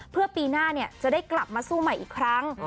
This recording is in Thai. เพื่อปีหน้าจะได้กลับมาสู้ใหม่อีกครั้ง